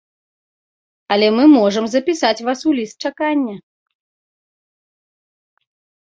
Але мы можам запісаць вас у ліст чакання.